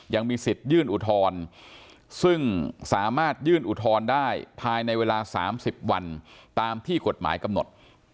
ยังมีสิทธิ์ยื่นอุทธรณ์ซึ่งสามารถยื่นอุทธรณ์ได้ภายในเวลา๓๐วันตามที่กฎหมายกำหนด